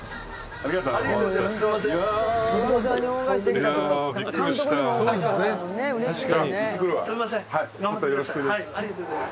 ありがとうございます。